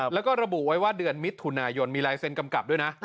แล้วก็ระบุไว้ว่าเดือนมิถุนายนมีลายเซ็นกำกับด้วยนะ